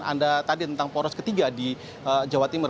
anda tadi tentang poros ketiga di jawa timur